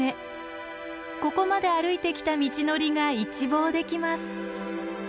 ここまで歩いてきた道のりが一望できます。